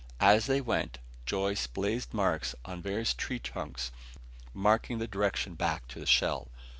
As they went, Joyce blazed marks on various tree trunks marking the direction back to the shell.